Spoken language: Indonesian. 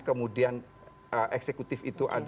kemudian eksekutif itu